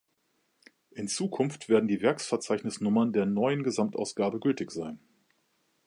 In Zukunft werden die Werkverzeichnis-Nummern der Neuen Gesamtausgabe gültig sein.